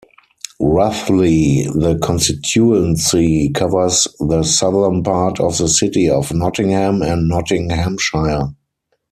Roughly, the constituency covers the southern part of the City of Nottingham in Nottinghamshire.